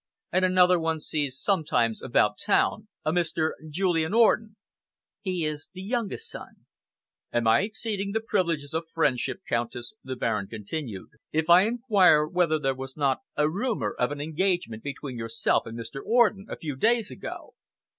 And another one sees sometimes about town a Mr. Julian Orden." "He is the youngest son." "Am I exceeding the privileges of friendship, Countess," the Baron continued, "if I enquire whether there was not a rumour of an engagement between yourself and Mr. Orden, a few days ago?"